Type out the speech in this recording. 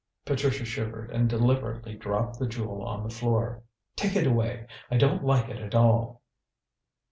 Patricia shivered and deliberately dropped the jewel on the floor. "Take it away! I don't like it at all."